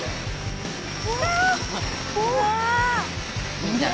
うわ！